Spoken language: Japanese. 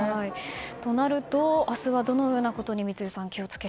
となると明日はどのようなことに三井さん